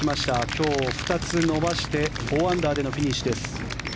今日２つ伸ばして４アンダーでのフィニッシュです。